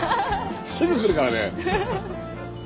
すぐ来るからね。